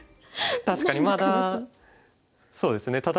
確かにまだそうですね。